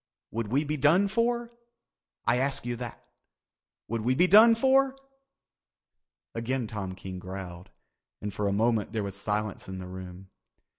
Would we be done for? I ask you that. Would we be done for?" Again Tom King growled and for a moment there was silence in the room.